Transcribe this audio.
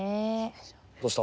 どうした？